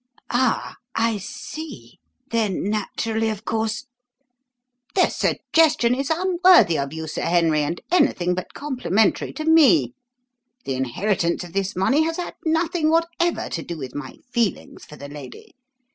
"Ah, I see. Then, naturally, of course " "The suggestion is unworthy of you, Sir Henry, and anything but complimentary to me. The inheritance of this money has had nothing whatever to do with my feelings for the lady.